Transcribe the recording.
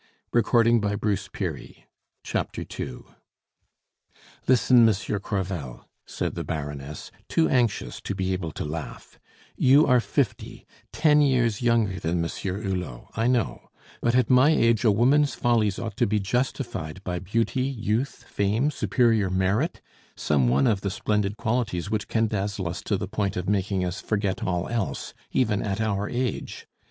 A lover? Say a man bewitched " "Listen, Monsieur Crevel," said the Baroness, too anxious to be able to laugh, "you are fifty ten years younger than Monsieur Hulot, I know; but at my age a woman's follies ought to be justified by beauty, youth, fame, superior merit some one of the splendid qualities which can dazzle us to the point of making us forget all else even at our age.